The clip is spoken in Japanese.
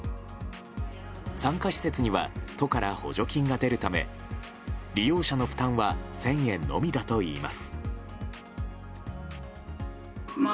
参加施設には都から補助金が出るため利用者の負担は１０００円のみだといいます。